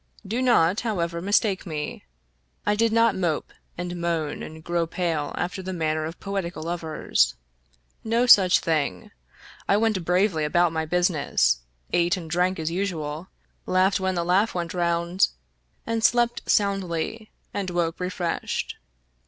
Do not, however, mistake me. I did not mope, and moan, and grow pale, after the manner of poetical lovers. No such thing. I went bravely about my business, ate and drank as usual, laughed when the laugh went round, and slept soundly, and woke refreshed.